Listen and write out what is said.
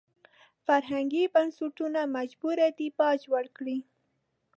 فرهنګي بنسټونه مجبور دي باج ورکړي.